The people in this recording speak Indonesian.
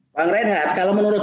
bang renhat kalau menurut